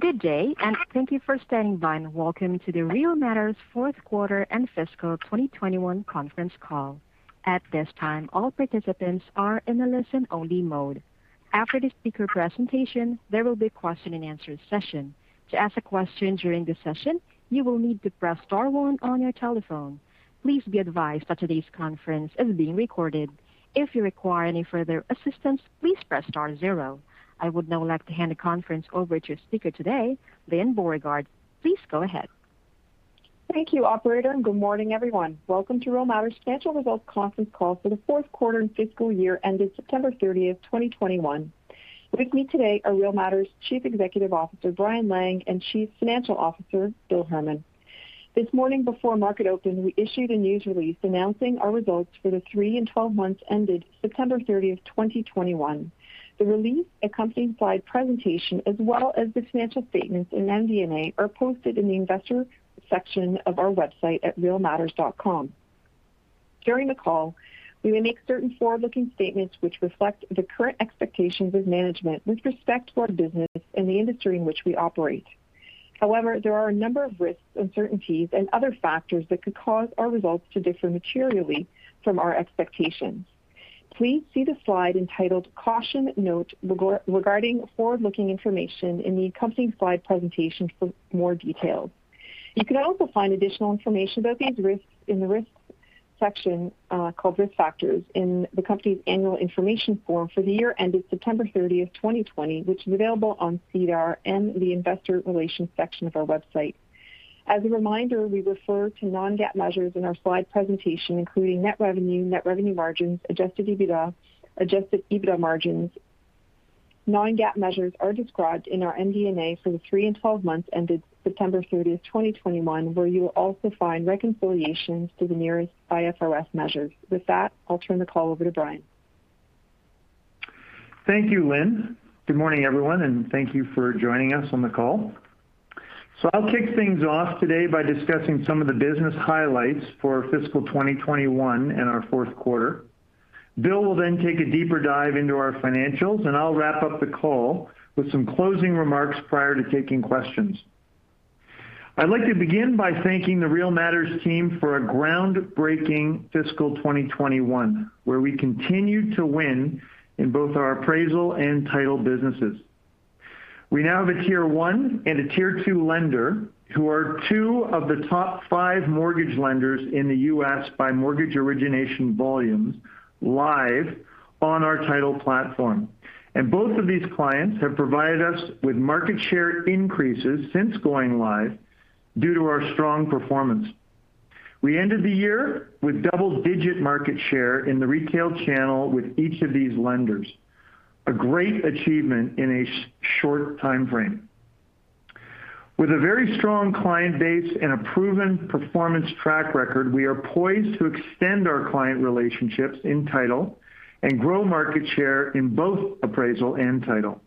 Good day, and thank you for standing by, and welcome to the Real Matters fourth quarter and fiscal 2021 conference call. At this time, all participants are in a listen-only mode. After the speaker presentation, there will be a Q&A session. To ask a question during the session, you will need to press star one on your telephone. Please be advised that today's conference is being recorded. If you require any further assistance, please press star zero. I would now like to hand the conference over to speaker today, Lyne Beauregard. Please go ahead. Thank you, operator, and good morning, everyone. Welcome to Real Matters financial results conference call for the fourth quarter and fiscal year ended September 30th, 2021. With me today are Real Matters Chief Executive Officer, Brian Lang, and Chief Financial Officer, Bill Herman. This morning before market open, we issued a news release announcing our results for the three and 12 months ended September 30th, 2021. The release accompanying slide presentation, as well as the financial statements in MD&A, are posted in the Investor section of our website at realmatters.com. During the call, we will make certain forward-looking statements which reflect the current expectations of management with respect to our business and the industry in which we operate. However, there are a number of risks, uncertainties and other factors that could cause our results to differ materially from our expectations. Please see the slide enTitled Caution Note Regarding Forward-Looking Information in the accompanying slide presentation for more details. You can also find additional information about these risks in the risks section called Risk Factors in the company's annual information form for the year ended September 30th, 2020, which is available on SEDAR and the Investor Relations section of our website. As a reminder, we refer to non-GAAP measures in our slide presentation, including net revenue, net revenue margins, adjusted EBITDA, adjusted EBITDA margins. Non-GAAP measures are described in our MD&A for the three and 12 months ended September 30th, 2021, where you will also find reconciliations to the nearest IFRS measures. With that, I'll turn the call over to Brian. Thank you, Lynn. Good morning, everyone, and thank you for joining us on the call. I'll kick things off today by discussing some of the business highlights for fiscal 2021 and our fourth quarter. Bill will then take a deeper dive into our financials, and I'll wrap up the call with some closing remarks prior to taking questions. I'd like to begin by thanking the Real Matters team for a groundbreaking fiscal 2021, where we continued to win in both our Appraisal and Title businesses. We now have a Tier 1 and a Tier 2 lender who are two of the top five mortgage lenders in the U.S. by mortgage origination volumes live on our Title platform. Both of these clients have provided us with market share increases since going live due to our strong performance. We ended the year with double-digit market share in the retail channel with each of these lenders, a great achievement in a short timeframe. With a very strong client base and a proven performance track record, we are poised to extend our client relationships in Title and grow market share in both Appraisal and Title.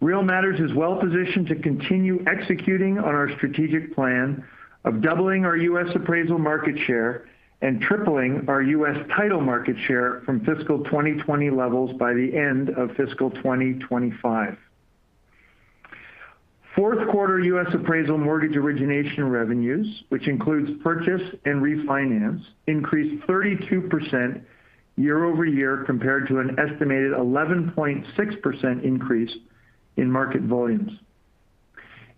Real Matters is well-positioned to continue executing on our strategic plan of doubling our U.S. Appraisal market share and tripling our U.S. Title market share from fiscal 2020 levels by the end of fiscal 2025. Fourth quarter U.S. Appraisal mortgage origination revenues, which includes purchase and refinance, increased 32% year-over-year compared to an estimated 11.6% increase in market volumes.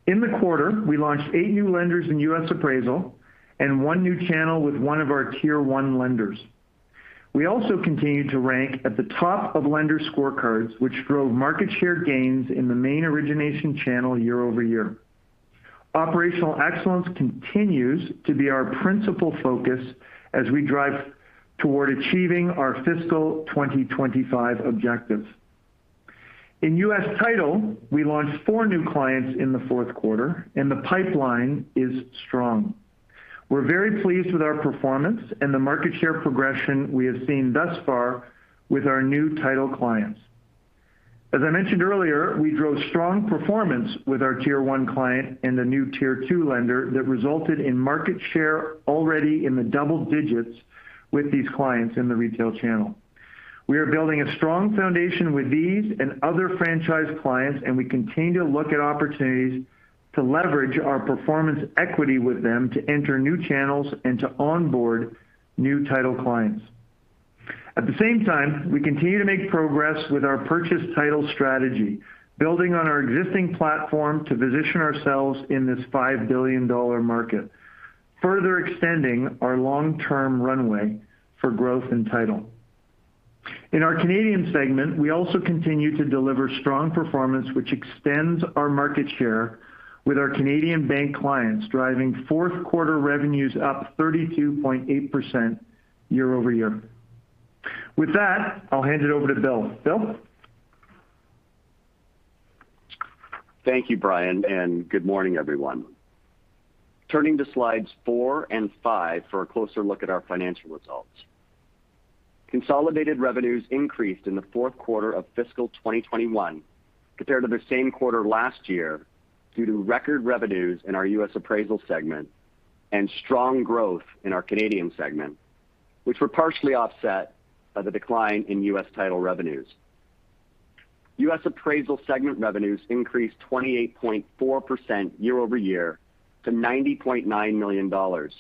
In the quarter, we launched eight new lenders in U.S. Appraisal and one new channel with one of our Tier 1 lenders. We also continued to rank at the top of lender scorecards, which drove market share gains in the main origination channel year-over-year. Operational excellence continues to be our principal focus as we drive toward achieving our fiscal 2025 objectives. In U.S. Title, we launched four new clients in the fourth quarter and the pipeline is strong. We're very pleased with our performance and the market share progression we have seen thus far with our new Title clients. As I mentioned earlier, we drove strong performance with our Tier 1 client and the new Tier 2 lender that resulted in market share already in the double digits with these clients in the retail channel. We are building a strong foundation with these and other franchise clients, and we continue to look at opportunities to leverage our performance equity with them to enter new channels and to onboard new Title clients. At the same time, we continue to make progress with our purchase title strategy, building on our existing platform to position ourselves in this $5 billion market, further extending our long-term runway for growth in Title. In our Canadian segment, we also continue to deliver strong performance which extends our market share with our Canadian bank clients, driving fourth quarter revenues up 32.8% year-over-year. With that, I'll hand it over to Bill. Bill? Thank you, Brian, and good morning, everyone. Turning to Slides four and five for a closer look at our financial results. Consolidated revenues increased in the fourth quarter of fiscal 2021 compared to the same quarter last year, due to record revenues in our U.S. Appraisal segment and strong growth in our Canadian segment. Which were partially offset by the decline in U.S. Title revenues. U.S. Appraisal segment revenues increased 28.4% year-over-year to $90.9 million.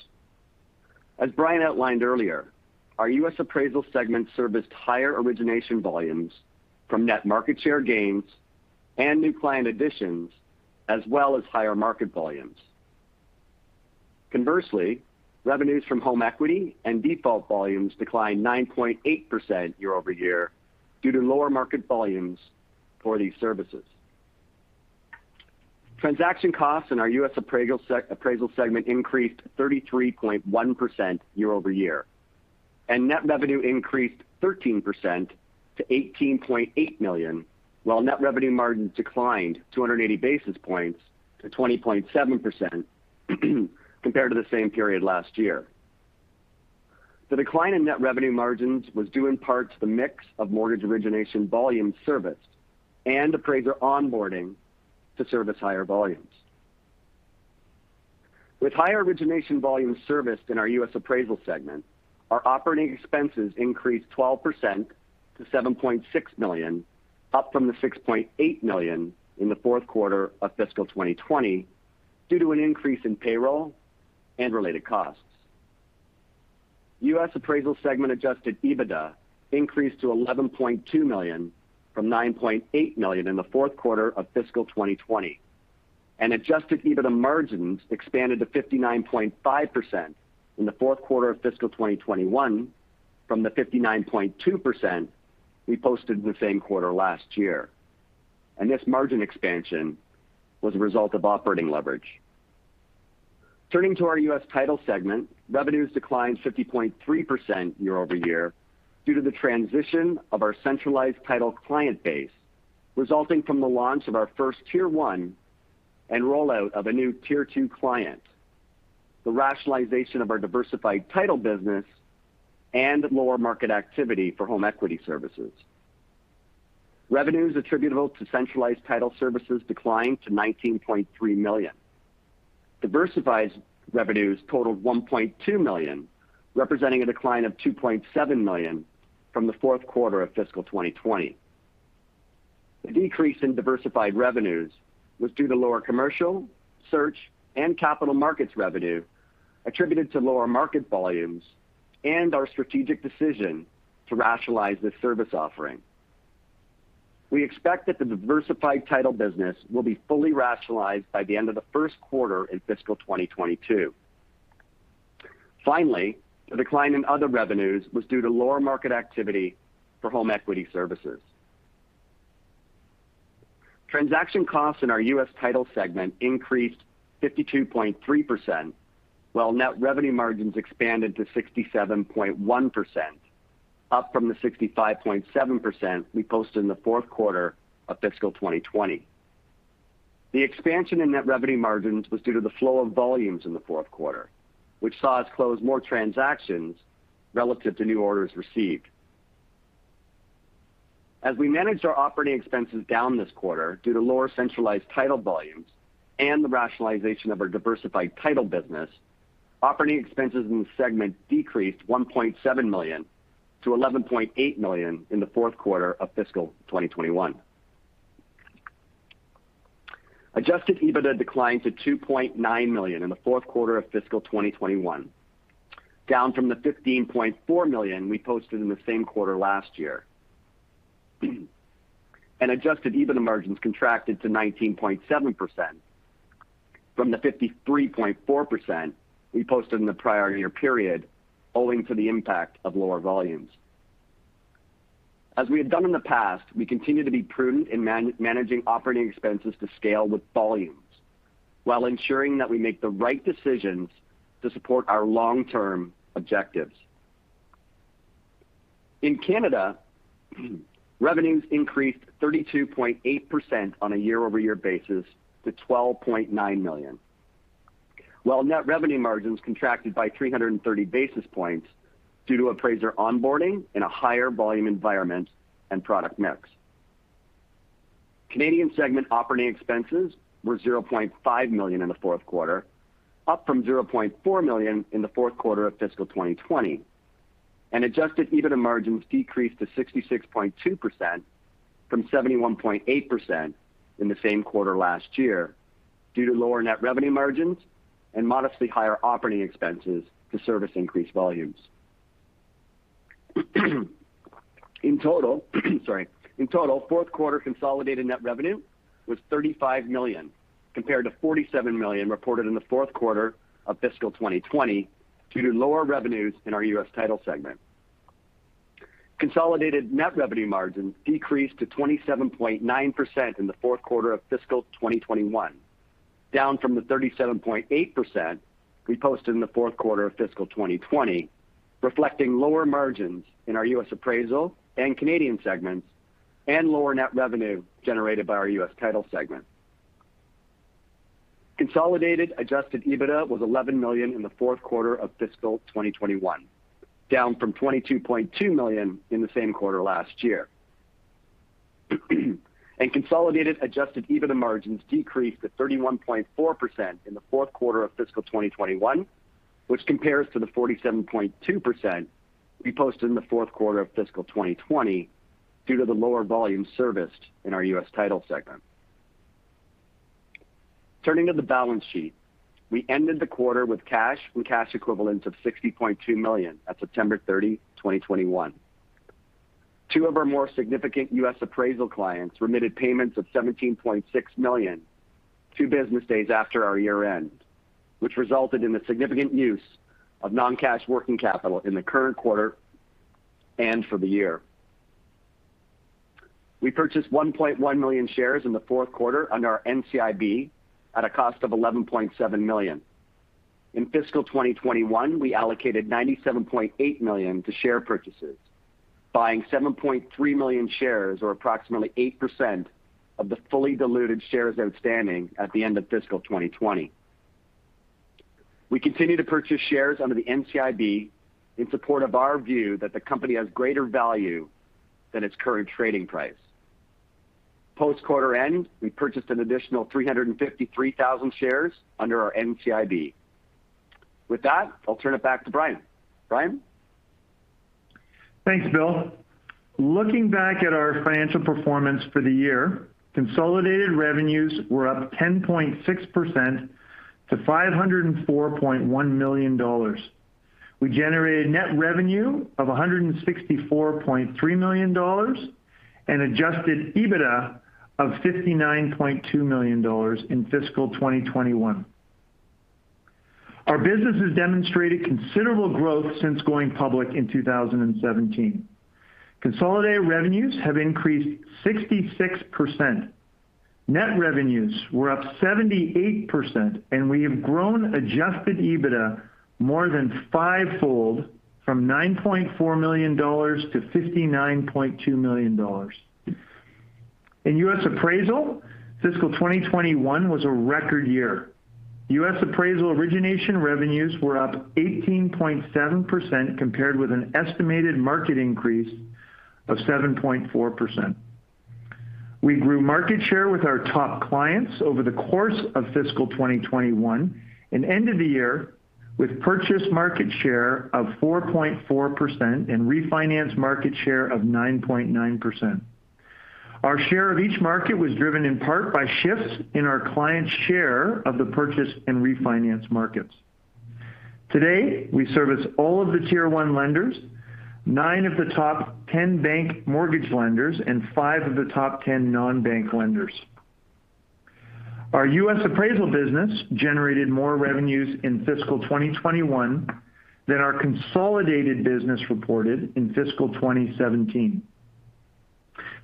As Brian outlined earlier, U.S. Appraisal segment serviced higher origination volumes from net market share gains and new client additions, as well as higher market volumes. Conversely, revenues from home equity and default volumes declined 9.8% year-over-year due to lower market volumes for these services. Transaction costs in our U.S. Appraisal segment increased 33.1% year-over-year, and net revenue increased 13% to $18.8 million, while net revenue margins declined 280 basis points to 20.7% compared to the same period last year. The decline in net revenue margins was due in part to the mix of mortgage origination volume serviced and appraiser onboarding to service higher volumes. With higher origination volume serviced in our U.S. Appraisal segment, our operating expenses increased 12% to $7.6 million, up from the $6.8 million in the fourth quarter of fiscal 2020 due to an increase in payroll and related costs. U.S. Appraisal segment Adjusted EBITDA increased to $11.2 million from $9.8 million in the fourth quarter of fiscal 2020. Adjusted EBITDA margins expanded to 59.5% in the fourth quarter of fiscal 2021 from the 59.2% we posted in the same quarter last year. This margin expansion was a result of operating leverage. Turning to our U.S. Title segment, revenues declined 50.3% year-over-year due to the transition of our centralized Title client base resulting from the launch of our first Tier 1 and rollout of a new Tier 2 client, the rationalization of our diversified Title business and lower market activity for home equity services. Revenues attributable to centralized Title services declined to $19.3 million. Diversified revenues totaled $1.2 million, representing a decline of $2.7 million from the fourth quarter of fiscal 2020. The decrease in diversified revenues was due to lower commercial, search, and capital markets revenue attributed to lower market volumes and our strategic decision to rationalize this service offering. We expect that the diversified Title business will be fully rationalized by the end of the first quarter in fiscal 2022. Finally, the decline in other revenues was due to lower market activity for home equity services. Transaction costs in U.S. Title segment increased 52.3%, while net revenue margins expanded to 67.1%, up from the 65.7% we posted in the fourth quarter of fiscal 2020. The expansion in net revenue margins was due to the flow of volumes in the fourth quarter, which saw us close more transactions relative to new orders received. As we managed our operating expenses down this quarter due to lower centralized Title volumes and the rationalization of our diversified Title business, operating expenses in the segment decreased $1.7 million to $11.8 million in the fourth quarter of fiscal 2021. Adjusted EBITDA declined to $2.9 million in the fourth quarter of fiscal 2021, down from the $15.4 million we posted in the same quarter last year. Adjusted EBITDA margins contracted to 19.7% from the 53.4% we posted in the prior year period, owing to the impact of lower volumes. As we have done in the past, we continue to be prudent in managing operating expenses to scale with volumes while ensuring that we make the right decisions to support our long-term objectives. In Canada, revenues increased 32.8% on a year-over-year basis to $12.9 million. While net revenue margins contracted by 330 basis points due to appraiser onboarding in a higher volume environment and product mix. Canadian segment operating expenses were $0.5 million in the fourth quarter, up from $0.4 million in the fourth quarter of fiscal 2020. Adjusted EBITDA margins decreased to 66.2% from 71.8% in the same quarter last year due to lower net revenue margins and modestly higher operating expenses to service increased volumes. In total, fourth quarter consolidated net revenue was $35 million, compared to $47 million reported in the fourth quarter of fiscal 2020 due to lower revenues in U.S. Title segment. Consolidated net revenue margins decreased to 27.9% in the fourth quarter of fiscal 2021, down from the 37.8% we posted in the fourth quarter of fiscal 2020, reflecting lower margins in U.S. Appraisal and Canadian segments and lower net revenue generated by U.S. Title segment. Consolidated adjusted EBITDA was $11 million in the fourth quarter of fiscal 2021, down from $22.2 million in the same quarter last year. Consolidated adjusted EBITDA margins decreased to 31.4% in the fourth quarter of fiscal 2021, which compares to the 47.2% we posted in the fourth quarter of fiscal 2020 due to the lower volume serviced in U.S. Title segment. Turning to the balance sheet. We ended the quarter with cash and cash equivalents of $60.2 million at September 30, 2021. Two of our more significant U.S. Appraisal clients remitted payments of $17.6 million two business days after our year-end, which resulted in the significant use of non-cash working capital in the current quarter and for the year. We purchased 1.1 million shares in the fourth quarter under our NCIB at a cost of $11.7 million. In fiscal 2021, we allocated $97.8 million to share purchases, buying 7.3 million shares or approximately 8% of the fully diluted shares outstanding at the end of fiscal 2020. We continue to purchase shares under the NCIB in support of our view that the company has greater value than its current trading price. Post quarter end, we purchased an additional 353,000 shares under our NCIB. With that, I'll turn it back to Brian. Brian? Thanks, Bill. Looking back at our financial performance for the year, consolidated revenues were up 10.6% to $504.1 million. We generated net revenue of $164.3 million and adjusted EBITDA of $59.2 million in fiscal 2021. Our business has demonstrated considerable growth since going public in 2017. Consolidated revenues have increased 66%. Net revenues were up 78%, and we have grown adjusted EBITDA more than five-fold from $9.4 million to $59.2 million. In U.S. Appraisal, fiscal 2021 was a record year. U.S. Appraisal origination revenues were up 18.7% compared with an estimated market increase of 7.4%. We grew market share with our top clients over the course of fiscal 2021 and end of the year with purchase market share of 4.4% and refinance market share of 9.9%. Our share of each market was driven in part by shifts in our clients' share of the purchase and refinance markets. Today, we service all of the Tier 1 lenders, nine of the top 10 bank mortgage lenders, and five of the top 10 non-bank lenders. Our U.S. Appraisal business generated more revenues in fiscal 2021 than our consolidated business reported in fiscal 2017.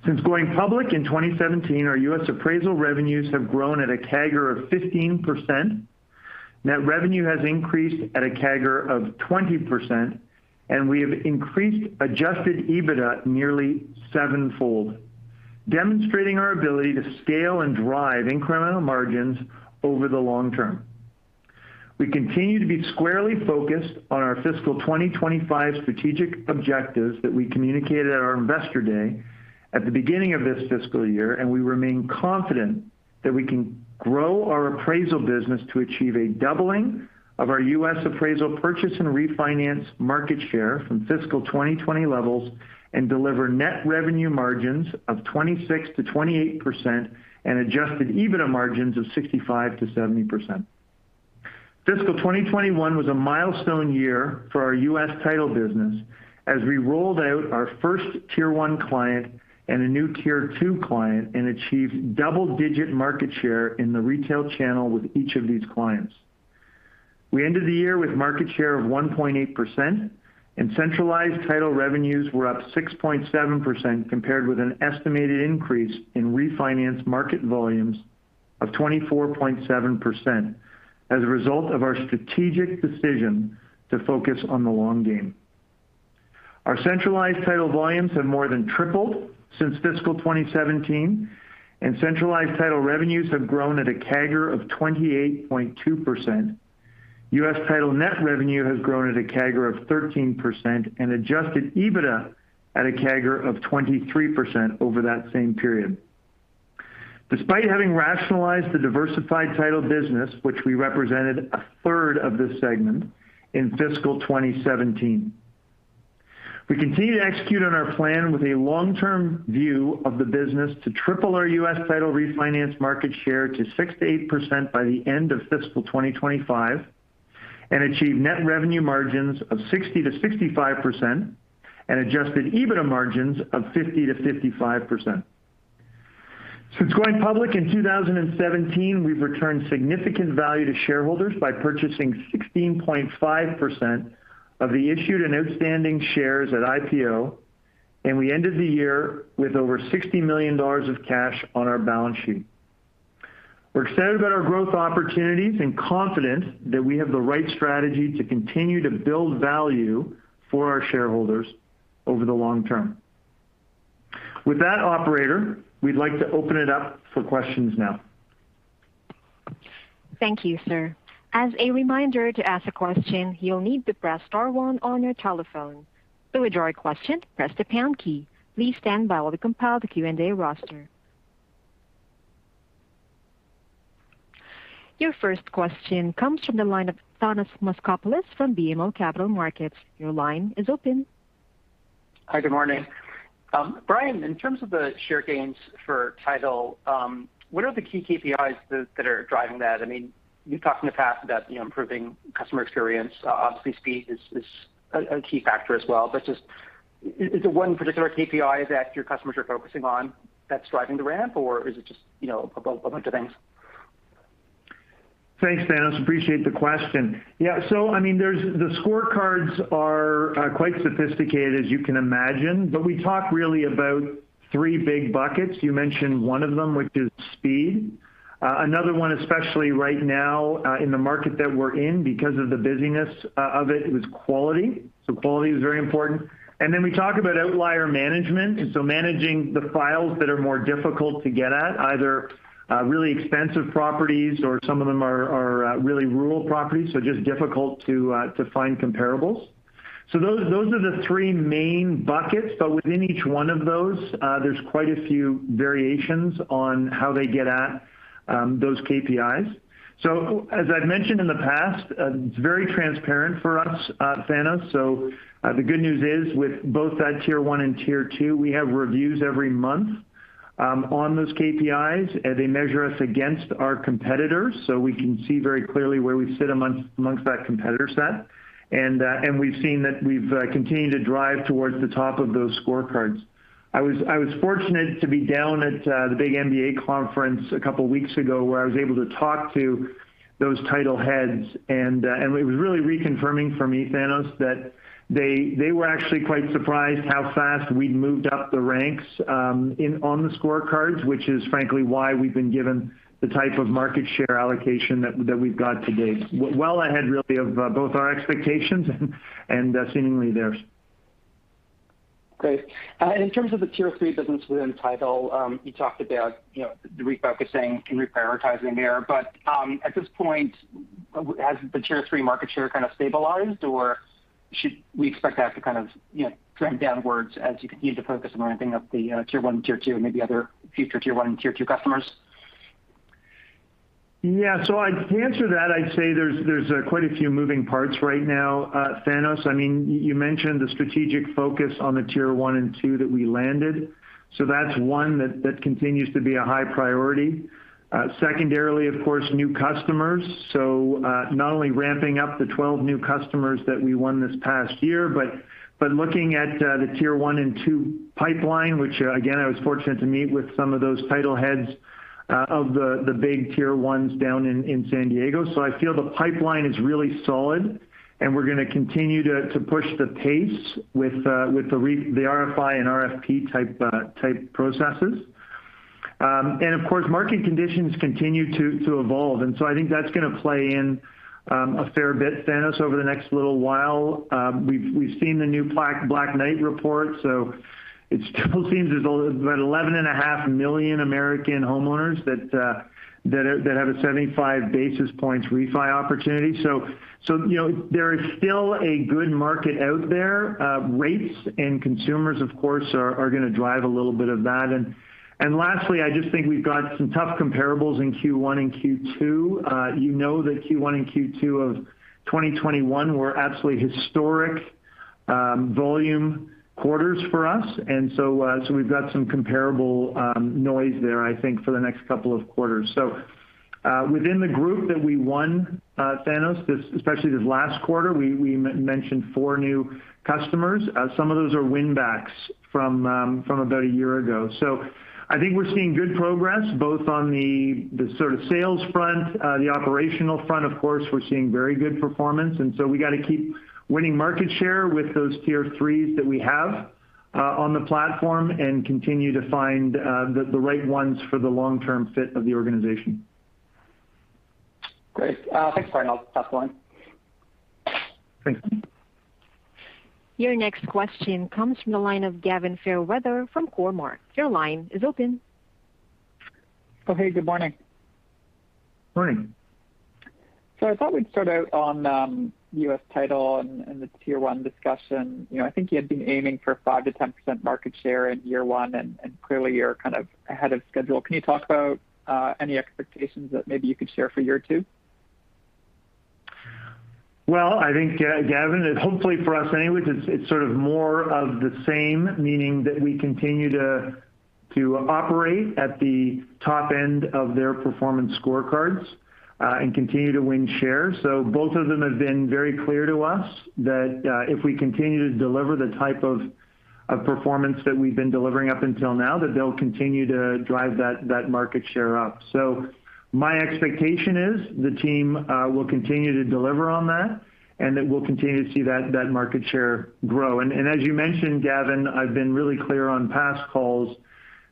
Since going public in 2017, our U.S. Appraisal revenues have grown at a CAGR of 15%. Net revenue has increased at a CAGR of 20%, and we have increased adjusted EBITDA nearly seven-fold, demonstrating our ability to scale and drive incremental margins over the long term. We continue to be squarely focused on our fiscal 2025 strategic objectives that we communicated at our Investor Day at the beginning of this fiscal year, and we remain confident that we can grow our Appraisal business to achieve a doubling of U.S. Appraisal purchase and refinance market share from fiscal 2020 levels and deliver net revenue margins of 26%-28% and adjusted EBITDA margins of 65%-70%. Fiscal 2021 was a milestone year for U.S. Title business as we rolled out our first Tier 1 client and a new Tier 2 client and achieved double-digit market share in the retail channel with each of these clients. We ended the year with market share of 1.8% and centralized Title revenues were up 6.7% compared with an estimated increase in refinance market volumes of 24.7% as a result of our strategic decision to focus on the long game. Our centralized Title volumes have more than tripled since fiscal 2017, and centralized Title revenues have grown at a CAGR 28.2%. U.S. Title net revenue has grown at a CAGR of 13% and adjusted EBITDA at a CAGR of 23% over that same period. Despite having rationalized the diversified Title business, which represented a third of this segment in fiscal 2017. We continue to execute on our plan with a long-term view of the business to triple U.S. Title refinance market share to 6%-8% by the end of fiscal 2025 and achieve net revenue margins of 60%-65% and adjusted EBITDA margins of 50%-55%. Since going public in 2017, we've returned significant value to shareholders by purchasing 16.5% of the issued and outstanding shares at IPO, and we ended the year with over $60 million of cash on our balance sheet. We're excited about our growth opportunities and confident that we have the right strategy to continue to build value for our shareholders over the long term. With that, operator, we'd like to open it up for questions now. Thank you, sir. As a reminder, to ask a question, you'll need to press star one on your telephone. To withdraw your question, press the pound key. Please stand by while we compile the Q&A roster. Your first question comes from the line of Thanos Moschopoulos from BMO Capital Markets. Your line is open. Hi, good morning. Brian, in terms of the share gains for Title, what are the key KPIs that are driving that? I mean, you've talked in the past about, you know, improving customer experience. Obviously speed is a key factor as well. But just, is there one particular KPI that your customers are focusing on that's driving the ramp, or is it just, you know, a bunch of things? Thanks, Thanos. Appreciate the question. Yeah. I mean, there's the scorecards are quite sophisticated, as you can imagine, but we talk really about three big buckets. You mentioned one of them, which is speed. Another one, especially right now, in the market that we're in because of the busyness of it, is quality. Quality is very important. Then we talk about outlier management and so managing the files that are more difficult to get at, either really expensive properties or some of them are really rural properties, so just difficult to find comparables. Those are the three main buckets, but within each one of those, there's quite a few variations on how they get at those KPIs. As I've mentioned in the past, it's very transparent for us, Thanos. The good news is, with both that Tier 1 and Tier 2, we have reviews every month on those KPIs. They measure us against our competitors, so we can see very clearly where we sit among that competitor set. We've seen that we've continued to drive towards the top of those scorecards. I was fortunate to be down at the big MBA conference a couple weeks ago, where I was able to talk to those Title heads and it was really reconfirming for me, Thanos, that they were actually quite surprised how fast we'd moved up the ranks on the scorecards, which is frankly why we've been given the type of market share allocation that we've got to date. Well ahead really of both our expectations and seemingly theirs. Great. In terms of the Tier 3 business within Title, you talked about, you know, the refocusing and reprioritizing there. At this point, has the Tier 3 market share kind of stabilized, or should we expect that to kind of, you know, trend downwards as you continue to focus on ramping up the Tier 1 and Tier 2 and maybe other future Tier 1 and Tier 2 customers? To answer that, I'd say there's quite a few moving parts right now, Thanos. I mean, you mentioned the strategic focus on the Tier 1 and 2 that we landed, so that's one that continues to be a high priority. Secondarily, of course, new customers. Not only ramping up the 12 new customers that we won this past year but looking at the Tier 1 and 2 pipeline, which again, I was fortunate to meet with some of those Title heads of the big Tier 1s down in San Diego. So I feel the pipeline is really solid, and we're gonna continue to push the pace with the RFI and RFP-type processes. Of course, market conditions continue to evolve, and so I think that's gonna play in a fair bit, Thanos, over the next little while. We've seen the new Black Knight report, so it still seems there's about 11.5 million American homeowners that have a 75 basis points refi opportunity. You know, there is still a good market out there. Rates and consumers, of course, are gonna drive a little bit of that. Lastly, I just think we've got some tough comparables in Q1 and Q2. You know that Q1 and Q2 of 2021 were absolutely historic volume quarters for us. We've got some comparable noise there, I think, for the next couple of quarters. Within the group that we won, Thanos, this, especially this last quarter, we mentioned four new customers. Some of those are win-backs from about a year ago. I think we're seeing good progress, both on the sort of sales front, the operational front. Of course, we're seeing very good performance. We gotta keep winning market share with those Tier 3s that we have on the platform and continue to find the right ones for the long-term fit of the organization. Great. Thanks, Brian. I'll pass the line. Thanks. Your next question comes from the line of Gavin Fairweather from Cormark. Your line is open. Oh, hey, good morning. Morning. I thought we'd start out U.S. Title and the Tier 1 discussion. You know, I think you had been aiming for 5%-10% market share in year one, and clearly you're kind of ahead of schedule. Can you talk about any expectations that maybe you could share for year two? Well, I think, Gavin, and hopefully for us anyways, it's sort of more of the same, meaning that we continue to operate at the top end of their performance scorecards, and continue to win share. Both of them have been very clear to us that if we continue to deliver the type of performance that we've been delivering up until now, that they'll continue to drive that market share up. My expectation is the team will continue to deliver on that, and that we'll continue to see that market share grow. As you mentioned, Gavin, I've been really clear on past calls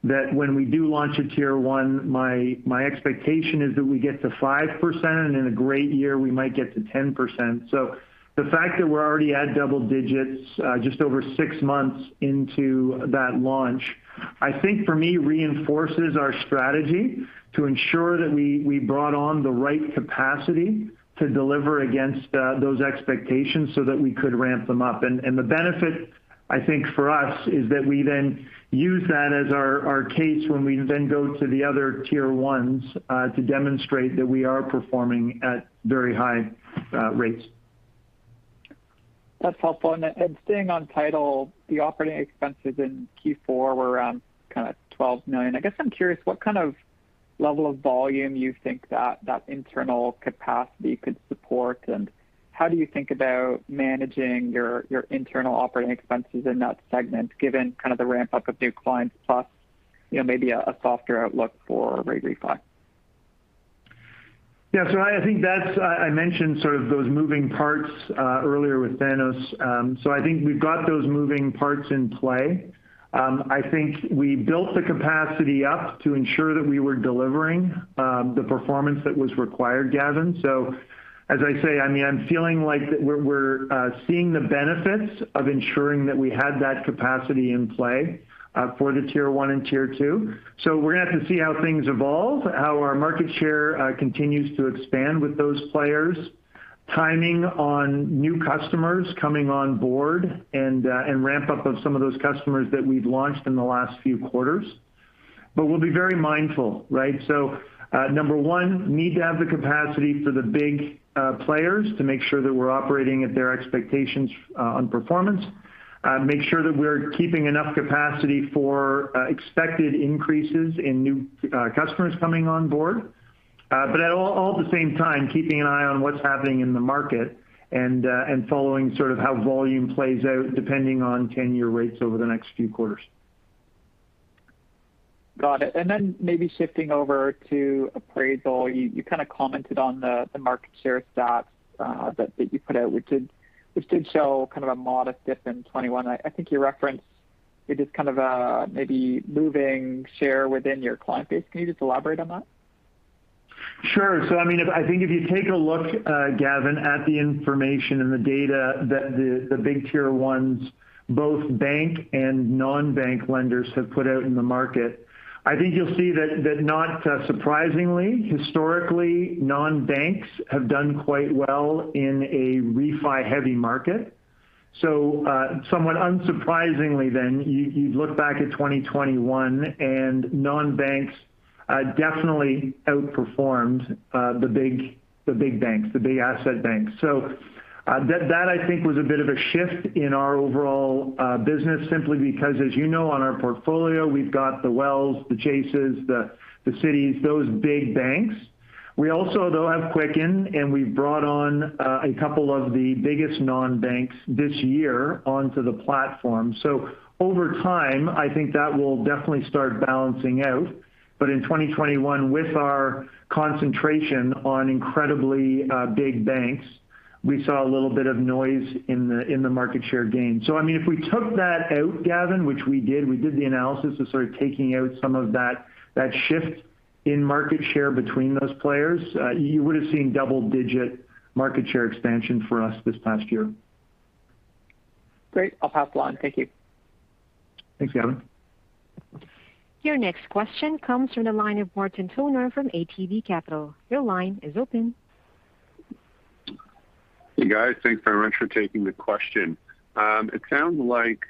that when we do launch at Tier 1, my expectation is that we get to 5%. In a great year, we might get to 10%. The fact that we're already at double digits, just over six months into that launch, I think for me reinforces our strategy to ensure that we brought on the right capacity to deliver against those expectations so that we could ramp them up. The benefit, I think, for us is that we then use that as our case when we then go to the other Tier 1s to demonstrate that we are performing at very high rates. That's helpful. Staying on Title, the operating expenses in Q4 were around kinda $12 million. I guess I'm curious what kind of level of volume you think that internal capacity could support, and how do you think about managing your internal operating expenses in that segment given kind of the ramp-up of new clients plus, you know, maybe a softer outlook for rate refi? I mentioned sort of those moving parts earlier with Thanos, so I think we've got those moving parts in play. I think we built the capacity up to ensure that we were delivering the performance that was required, Gavin. As I say, I mean, I'm feeling like that we're seeing the benefits of ensuring that we had that capacity in play for the Tier 1 and Tier 2. We're gonna have to see how things evolve, how our market share continues to expand with those players, timing on new customers coming on board and ramp-up of some of those customers that we've launched in the last few quarters. We'll be very mindful, right? Number one, need to have the capacity for the big players to make sure that we're operating at their expectations on performance, make sure that we're keeping enough capacity for expected increases in new customers coming on board. But at the same time, keeping an eye on what's happening in the market and following sort of how volume plays out depending on 10-year rates over the next few quarters. Got it. Maybe shifting over to Appraisal, you kinda commented on the market share stats that you put out, which did show kind of a modest dip in 2021. I think you referenced it as kind of a maybe moving share within your client base. Can you just elaborate on that? I mean, I think if you take a look, Gavin, at the information and the data that the big Tier 1s, both bank and non-bank lenders have put out in the market, I think you'll see that not surprisingly, historically, non-banks have done quite well in a refi-heavy market. Somewhat unsurprisingly then, you look back at 2021, and non-banks definitely outperformed the big banks, the big asset banks. That I think was a bit of a shift in our overall business, simply because as you know, on our portfolio, we've got the Wells, the Chase, the Citi, those big banks. We also, though, have Quicken, and we've brought on a couple of the biggest non-banks this year onto the platform. Over time, I think that will definitely start balancing out. In 2021, with our concentration on incredibly big banks, we saw a little bit of noise in the market share gain. I mean, if we took that out, Gavin, which we did, we did the analysis of sort of taking out some of that shift in market share between those players, you would've seen double-digit market share expansion for us this past year. Great. I'll pass along. Thank you. Thanks, Gavin. Your next question comes from the line of Martin Toner from ATB Capital. Your line is open. Hey, guys. Thanks very much for taking the question. It sounds like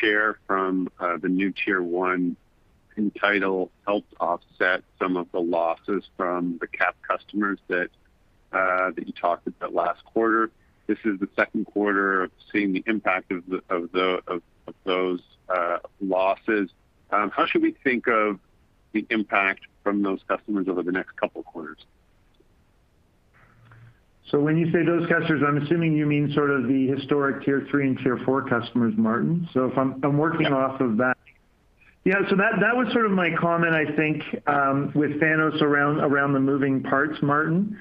share from the new Tier 1 in Title helped offset some of the losses from the cap customers that you talked about last quarter. This is the second quarter of seeing the impact of those losses. How should we think of the impact from those customers over the next couple quarters? When you say those customers, I'm assuming you mean sort of the historic Tier 3 and Tier 4 customers, Martin. If I'm- Yeah. I'm working off of that. Yeah. That was sort of my comment, I think, with Thanos around the moving parts, Martin.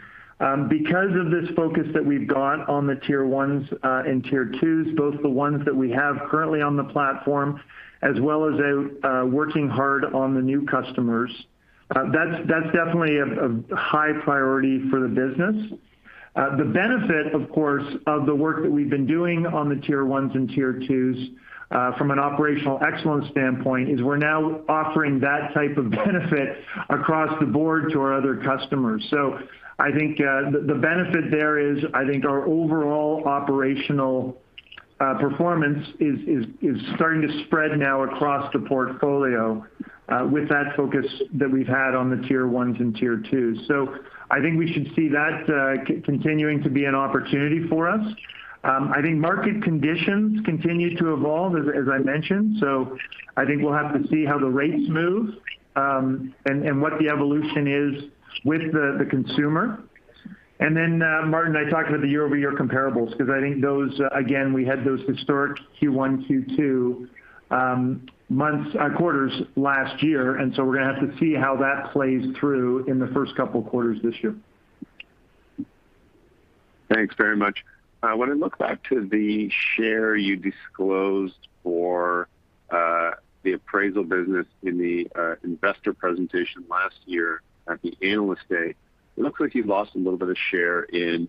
Because of this focus that we've got on the Tier 1s and Tier 2s, both the ones that we have currently on the platform as well as working hard on the new customers, that's definitely a high priority for the business. The benefit, of course, of the work that we've been doing on the Tier 1s and Tier 2s, from an operational excellence standpoint, is we're now offering that type of benefit across the board to our other customers. I think the benefit there is I think our overall operational performance is starting to spread now across the portfolio with that focus that we've had on the Tier 1s and Tier 2s. I think we should see that continuing to be an opportunity for us. I think market conditions continue to evolve as I mentioned. I think we'll have to see how the rates move, and what the evolution is with the consumer. Martin, I talked about the year-over-year comparables because I think those. Again, we had those historic Q1, Q2 quarters last year, and so we're gonna have to see how that plays through in the first couple quarters this year. Thanks very much. When I look back to the share you disclosed for the Appraisal business in the investor presentation last year at the Analyst Day, it looks like you've lost a little bit of share in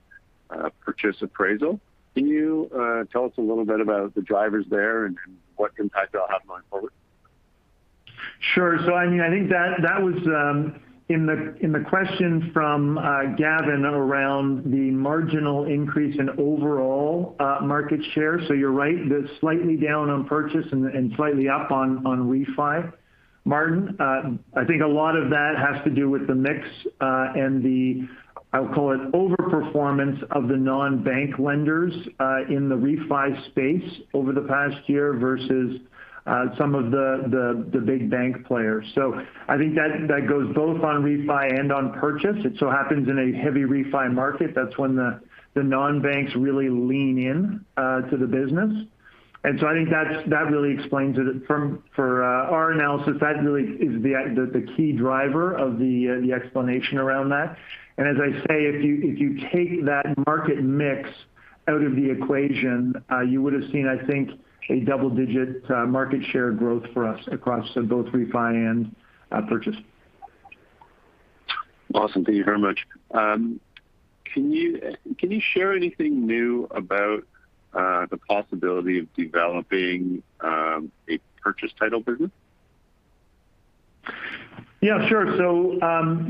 purchase appraisal. Can you tell us a little bit about the drivers there and what impact they'll have going forward. Sure. I mean, I think that was in the question from Gavin around the marginal increase in overall market share. You're right, slightly down on purchase and slightly up on refi, Martin. I think a lot of that has to do with the mix and the, I'll call it overperformance of the non-bank lenders in the refi space over the past year versus some of the big bank players. I think that goes both on refi and on purchase. It so happens in a heavy refi market, that's when the non-banks really lean in to the business. I think that really explains it. For our analysis, that really is the key driver of the explanation around that. As I say, if you take that market mix out of the equation, you would have seen, I think, a double-digit market share growth for us across both refi and purchase. Awesome. Thank you very much. Can you share anything new about the possibility of developing a purchase title business? Yeah, sure.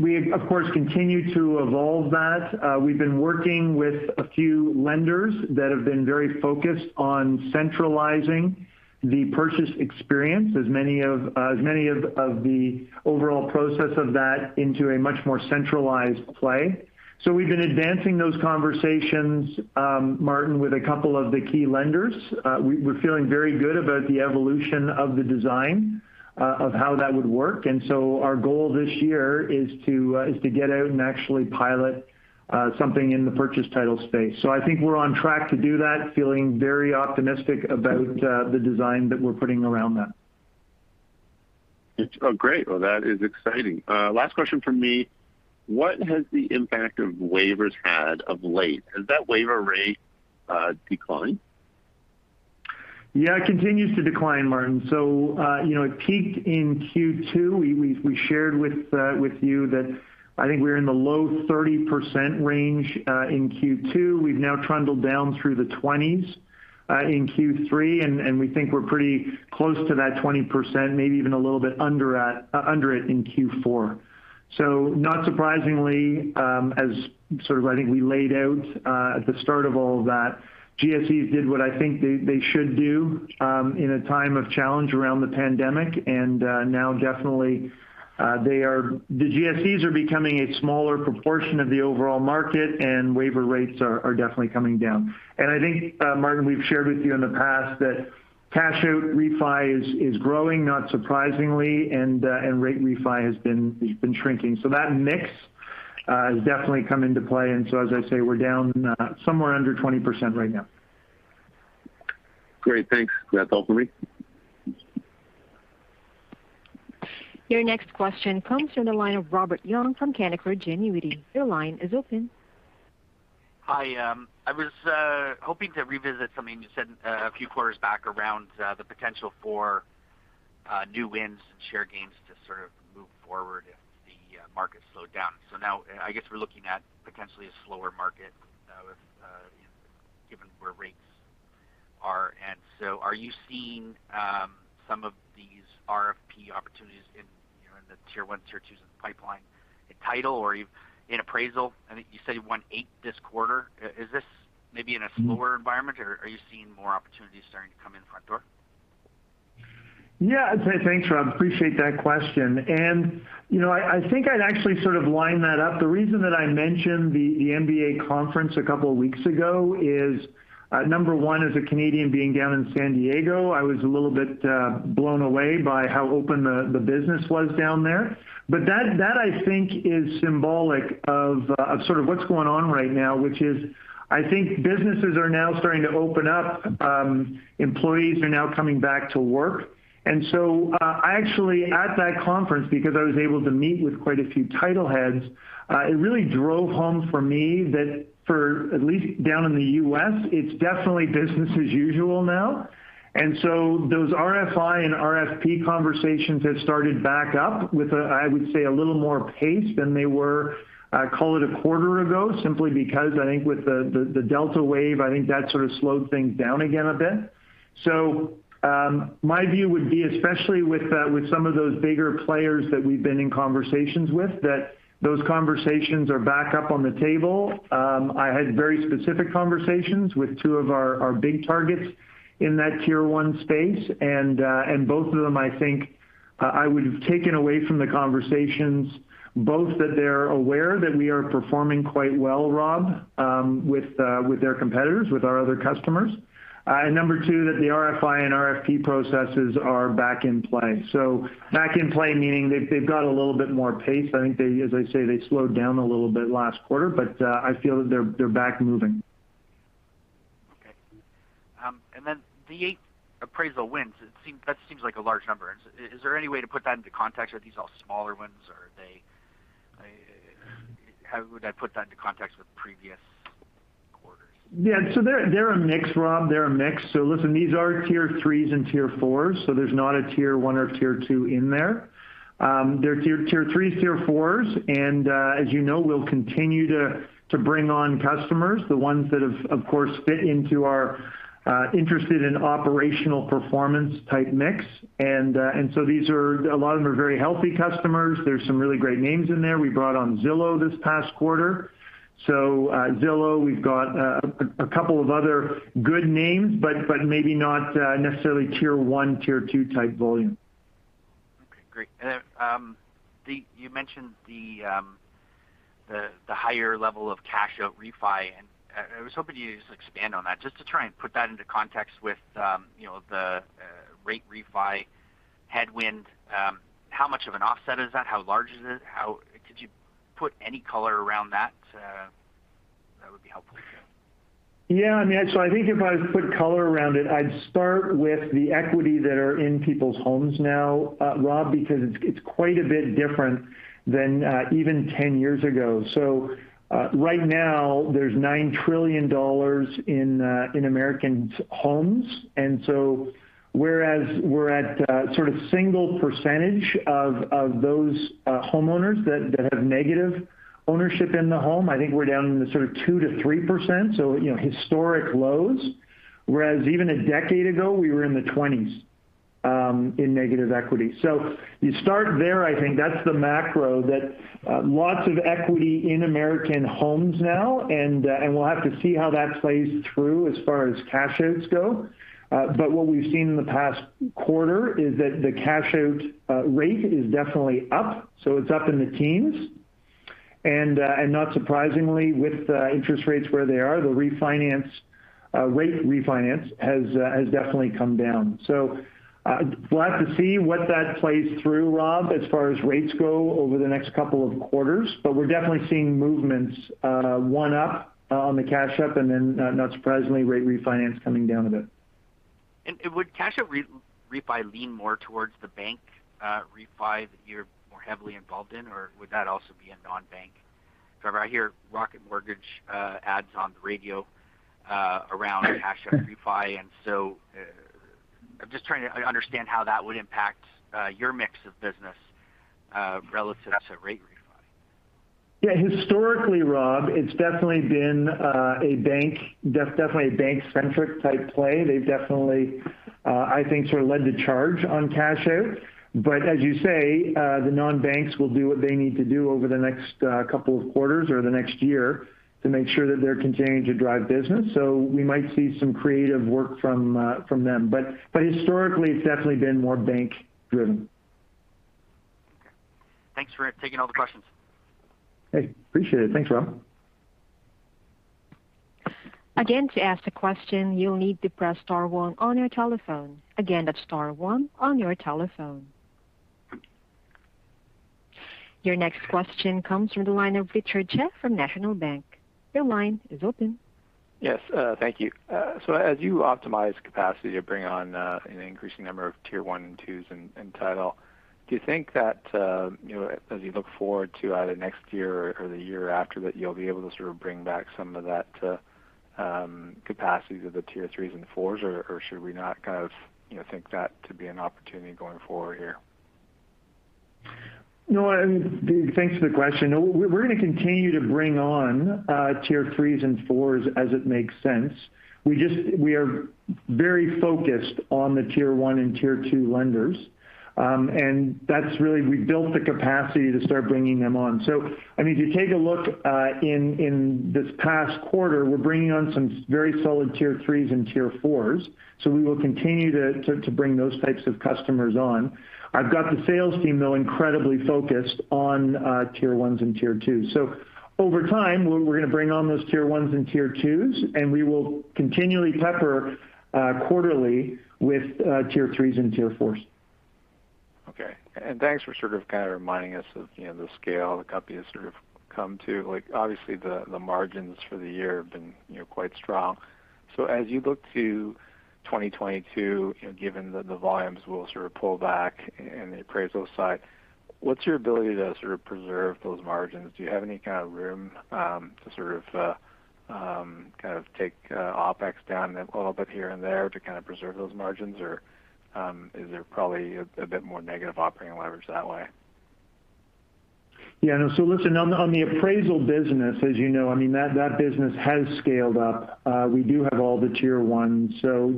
We of course continue to evolve that. We've been working with a few lenders that have been very focused on centralizing the purchase experience as many of the overall process of that into a much more centralized play. We've been advancing those conversations, Martin, with a couple of the key lenders. We're feeling very good about the evolution of the design of how that would work. Our goal this year is to get out and actually pilot something in the purchase title space. I think we're on track to do that, feeling very optimistic about the design that we're putting around that. It's great. Well, that is exciting. Last question from me. What has the impact of waivers had of late? Has that waiver rate declined? Yeah, it continues to decline, Martin. You know, it peaked in Q2. We shared with you that I think we're in the low 30% range in Q2. We've now trundled down through the 20%s in Q3, and we think we're pretty close to that 20%, maybe even a little bit under it in Q4. Not surprisingly, as sort of I think we laid out at the start of all that, GSE did what I think they should do in a time of challenge around the pandemic. Now definitely, the GSEs are becoming a smaller proportion of the overall market, and waiver rates are definitely coming down. I think, Martin, we've shared with you in the past that cash out refi is growing, not surprisingly, and rate refi has been shrinking. That mix has definitely come into play. As I say, we're down somewhere under 20% right now. Great. Thanks. That's all for me. Your next question comes from the line of Robert Young from Canaccord Genuity. Your line is open. Hi. I was hoping to revisit something you said a few quarters back around the potential for new wins and share gains to sort of move forward as the market slowed down. Now I guess we're looking at potentially a slower market with you know, given where rates are. Are you seeing some of these RFP opportunities in you know, in the Tier 1, Tier 2s in the pipeline in Title or in Appraisal? I think you said you won eight this quarter. Is this maybe in a slower environment, or are you seeing more opportunities starting to come in front door? Yeah. Thanks, Rob. Appreciate that question. You know, I think I'd actually sort of line that up. The reason that I mentioned the MBA conference a couple of weeks ago is number one, as a Canadian being down in San Diego, I was a little bit blown away by how open the business was down there. That I think is symbolic of sort of what's going on right now, which is I think businesses are now starting to open up. Employees are now coming back to work. Actually at that conference, because I was able to meet with quite a few Title heads, it really drove home for me that for at least down in the U.S., it's definitely business as usual now. Those RFI and RFP conversations have started back up with, I would say, a little more pace than they were, call it a quarter ago, simply because I think with the Delta wave, I think that sort of slowed things down again a bit. My view would be, especially with some of those bigger players that we've been in conversations with, that those conversations are back up on the table. I had very specific conversations with two of our big targets in that Tier 1 space. Both of them, I think, I would have taken away from the conversations both that they're aware that we are performing quite well, Rob, with their competitors, with our other customers. Number two, that the RFI and RFP processes are back in play. Back in play, meaning they've got a little bit more pace. I think as I say, they slowed down a little bit last quarter, but I feel that they're back moving. Okay. The eight Appraisal wins, that seems like a large number. Is there any way to put that into context? Are these all smaller wins or are they? How would I put that into context with previous They're a mix, Rob. Listen, these are Tier 3s and Tier 4s, so there's not a Tier 1 or Tier 2 in there. They're Tier 3s, Tier 4s, and as you know, we'll continue to bring on customers, the ones that of course fit into our interest in operational performance type mix. A lot of them are very healthy customers. There's some really great names in there. We brought on Zillow this past quarter. Zillow, we've got a couple of other good names, but maybe not necessarily Tier 1, Tier 2 type volume. Okay, great. You mentioned the higher level of cash out refi, and I was hoping you could just expand on that just to try and put that into context with the rate refi headwind. How much of an offset is that? How large is it? How could you put any color around that? That would be helpful, sure. Yeah, I mean, I think if I was to put color around it, I'd start with the equity that is in people's homes now, Rob, because it's quite a bit different than even 10 years ago. Right now there's $9 trillion in Americans' homes. Whereas we're at sort of single-digit percentage of those homeowners that have negative ownership in the home, I think we're down in the sort of 2%-3%, you know, historic lows. Whereas even a decade ago, we were in the 20s% in negative equity. You start there, I think. That's the macro, lots of equity in American homes now and we'll have to see how that plays through as far as cash outs go. What we've seen in the past quarter is that the cash out rate is definitely up, so it's up in the teens. Not surprisingly, with interest rates where they are, the refinance rate has definitely come down. We'll have to see what that plays through, Rob, as far as rates go over the next couple of quarters. We're definitely seeing movements, one up on the cash out, and then, not surprisingly, the refinance rate coming down a bit. Would cash out refi lean more towards the bank refi that you're more heavily involved in, or would that also be a non-bank driver? I hear Rocket Mortgage ads on the radio around cash out refi. I'm just trying to understand how that would impact your mix of business relative to rate refi. Historically, Rob, it's definitely been a bank-centric type play. They've definitely, I think, sort of led the charge on cash out. As you say, the non-banks will do what they need to do over the next couple of quarters or the next year to make sure that they're continuing to drive business. We might see some creative work from them. Historically, it's definitely been more bank driven. Okay. Thanks for taking all the questions. Hey, appreciate it. Thanks, Rob. Again, to ask a question, you'll need to press star one on your telephone. Again, that's star one on your telephone. Your next question comes from the line of Richard Tse from National Bank. Your line is open. Yes, thank you. As you optimize capacity to bring on an increasing number of Tier 1 and 2s in Title, do you think that, you know, as you look forward to either next year or the year after that you'll be able to sort of bring back some of that capacity to the Tier 3s and 4s, or should we not kind of, you know, think that to be an opportunity going forward here? No, I mean, thanks for the question. We're gonna continue to bring on Tier 3s and 4s as it makes sense. We are very focused on the Tier 1 and Tier 2 lenders. We've built the capacity to start bringing them on. I mean, if you take a look in this past quarter, we're bringing on some very solid Tier 3s and Tier 4s. We will continue to bring those types of customers on. I've got the sales team, though, incredibly focused on Tier 1s and Tier 2s. Over time, we're gonna bring on those Tier 1s and Tier 2s, and we will continually pepper quarterly with Tier 3s and Tier 4s. Okay. Thanks for sort of kind of reminding us of, you know, the scale the company has sort of come to. Like, obviously the margins for the year have been, you know, quite strong. As you look to 2022, you know, given that the volumes will sort of pull back in the Appraisal side, what's your ability to sort of preserve those margins? Do you have any kind of room to sort of kind of take OpEx down a little bit here and there to kind of preserve those margins? Or is there probably a bit more negative operating leverage that way? Listen. On the Appraisal business, as you know, I mean, that business has scaled up. We do have all the Tier 1s, so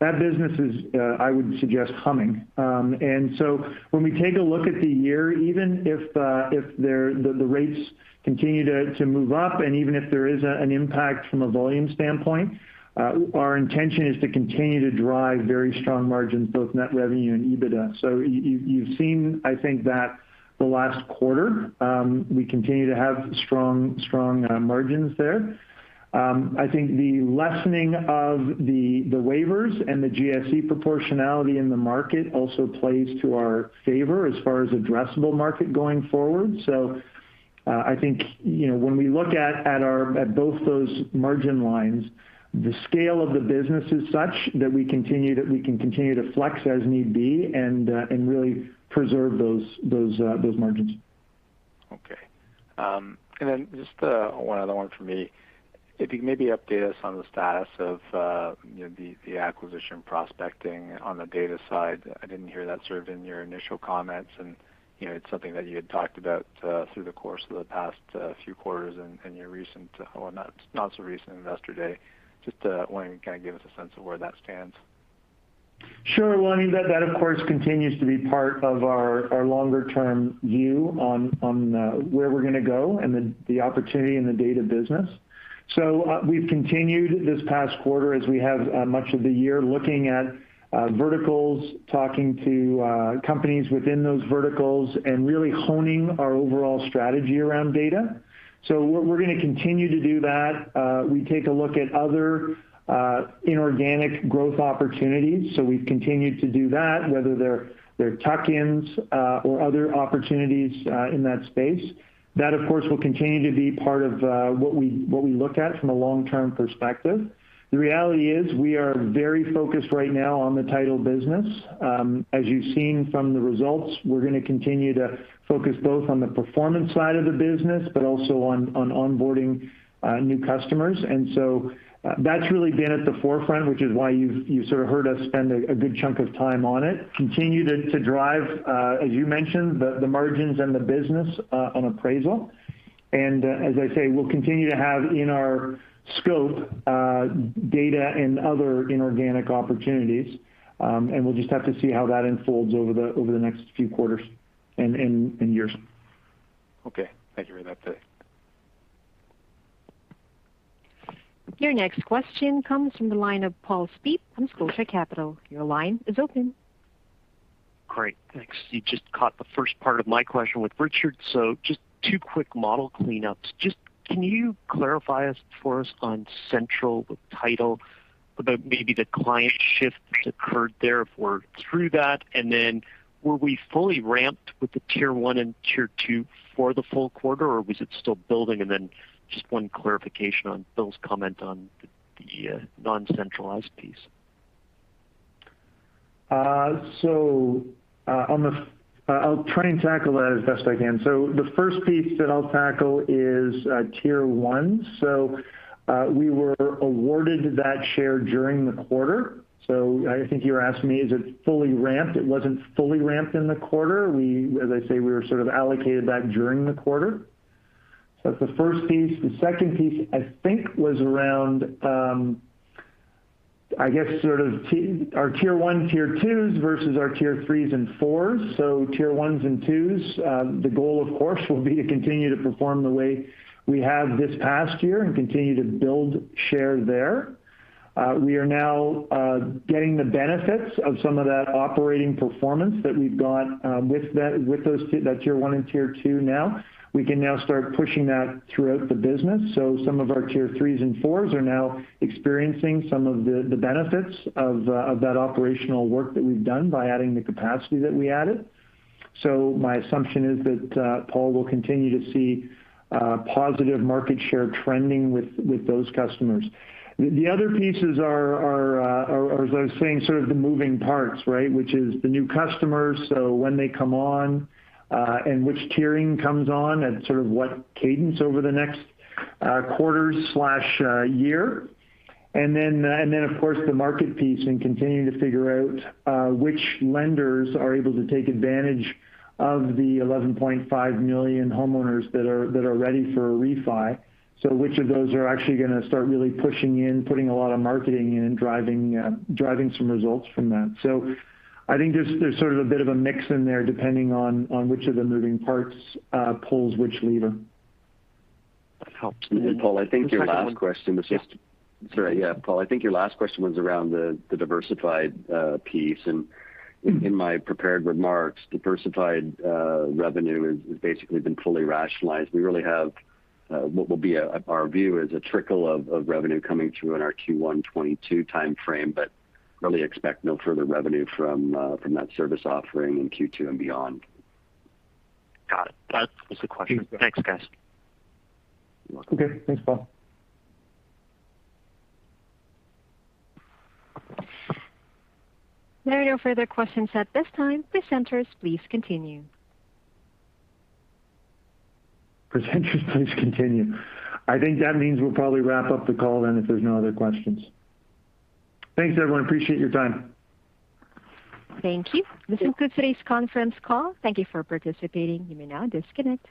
that business is, I would suggest, humming. When we take a look at the year, even if the rates continue to move up and even if there is an impact from a volume standpoint, our intention is to continue to drive very strong margins, both net revenue and EBITDA. You've seen, I think, that in the last quarter we continue to have strong margins there. I think the lessening of the waivers and the GSE proportionality in the market also plays to our favor as far as addressable market going forward. I think, you know, when we look at both those margin lines, the scale of the business is such that we can continue to flex as need be and really preserve those margins. Okay. Just one other one for me. If you could maybe update us on the status of, you know, the acquisition prospecting on the data side. I didn't hear that sort of in your initial comments and, you know, it's something that you had talked about through the course of the past few quarters and your recent, well, not so recent Investor Day. Just wanting to kind of give us a sense of where that stands. Sure. Well, I mean, that of course continues to be part of our long-term view on where we're gonna go and the opportunity in the data business. So, we've continued this past quarter as we have much of the year looking at verticals, talking to companies within those verticals, and really honing our overall strategy around data. So we're gonna continue to do that. We take a look at other inorganic growth opportunities, so we've continued to do that, whether they're tuck-ins or other opportunities in that space. That, of course, will continue to be part of what we look at from a long-term perspective. The reality is we are very focused right now on the Title business. As you've seen from the results, we're gonna continue to focus both on the performance side of the business, but also on onboarding new customers. That's really been at the forefront, which is why you've sort of heard us spend a good chunk of time on it. Continue to drive, as you mentioned, the margins and the business on Appraisal. As I say, we'll continue to have in our scope, data and other inorganic opportunities. We'll just have to see how that unfolds over the next few quarters and years. Okay. Thank you for that today. Your next question comes from the line of Paul Steep from Scotia Capital. Your line is open. Great. Thanks. You just caught the first part of my question with Richard, so just two quick model cleanups. Just can you clarify for us on central Title about maybe the client shifts occurred there or through that? Then were we fully ramped with the Tier 1 and Tier 2 for the full quarter, or was it still building? Then just one clarification on Bill's comment on the non-centralised piece. I'll try and tackle that as best I can. The first piece that I'll tackle is Tier 1. We were awarded that share during the quarter. I think you're asking me, is it fully ramped? It wasn't fully ramped in the quarter. As I say, we were sort of allocated that during the quarter. That's the first piece. The second piece I think was around, I guess sort of to our Tier 1, Tier 2s versus our Tier 3s and 4s. Tier 1s and 2s, the goal of course will be to continue to perform the way we have this past year and continue to build share there. We are now getting the benefits of some of that operating performance that we've got with that, with those that Tier 1 and Tier 2 now. We can now start pushing that throughout the business. Some of our Tier 3s and 4s are now experiencing some of the benefits of that operational work that we've done by adding the capacity that we added. My assumption is that Paul, we'll continue to see positive market share trending with those customers. The other pieces are as I was saying sort of the moving parts, right? Which is the new customers. When they come on and which tiering comes on at sort of what cadence over the next quarters slash year. Of course the market piece and continuing to figure out which lenders are able to take advantage of the 11.5 million homeowners that are ready for a refi. Which of those are actually gonna start really pushing in, putting a lot of marketing in, driving some results from that. I think there's sort of a bit of a mix in there depending on which of the moving parts pulls which lever. That helps. Paul, I think your last question was just. Sorry, yeah, Paul, I think your last question was around the diversified piece. In my prepared remarks, diversified revenue is basically been fully rationalized. We really have what will be our view is a trickle of revenue coming through in our Q1 2022 timeframe, but really expect no further revenue from that service offering in Q2 and beyond. Got it. Thanks, guys. You're welcome. Okay. Thanks, Paul. There are no further questions at this time. Presenters, please continue. Presenters, please continue. I think that means we'll probably wrap up the call then if there's no other questions. Thanks, everyone. I appreciate your time. Thank you. This concludes today's conference call. Thank you for participating. You may now disconnect.